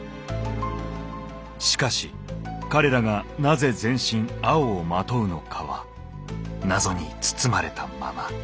しかし彼らがなぜ全身青を纏うのかは謎に包まれたまま。